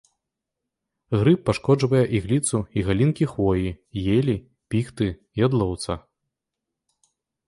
Грыб пашкоджвае ігліцу і галінкі хвоі, елі, піхты, ядлоўца.